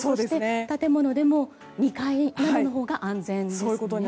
建物でも２階などのほうが安全ですね。